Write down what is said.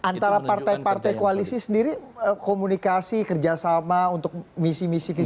antara partai partai koalisi sendiri komunikasi kerjasama untuk misi misi visi